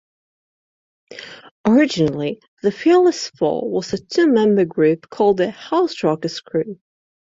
Originally, the Fearless Four was a two-member group called the Houserockers Crew.